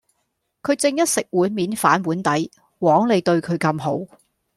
佢正一食碗面反碗底！枉你對佢咁好